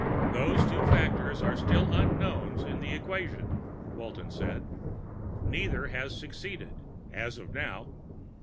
"Those two factors are still unknowns in the equation," Walton said. "Neither has succeeded, as of now.